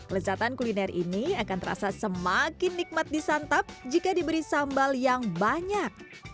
lezatan kuliner ini akan terasa semakin nikmat disantap jika diberi sambal yang banyak